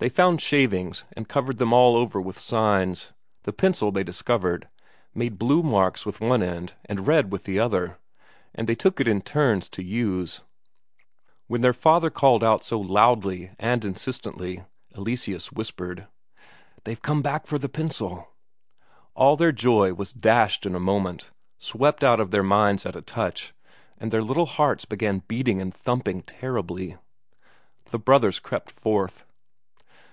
They found shavings and covered them all over with signs; the pencil, they discovered, made blue marks with one end and red with the other, and they took it in turns to use. When their father called out so loudly and insistently, Eleseus whispered: "They've come back for the pencil!" All their joy was dashed in a moment, swept out of their minds at a touch, and their little hearts began beating and thumping terribly. The brothers crept forth.